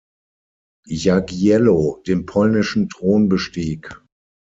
Jagiełło" den polnischen Thron bestieg.